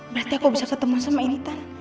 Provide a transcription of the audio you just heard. berarti aku bisa ketemu sama inditan